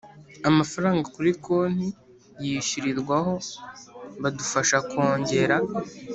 amafaranga kuri konti yishyurirwaho badufasha kongera